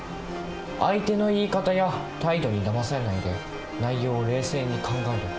相手の言い方や態度にだまされないで内容を冷静に考える。